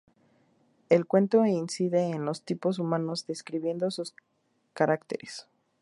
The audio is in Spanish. El cuento incide en los tipos humanos, describiendo sus caracteres.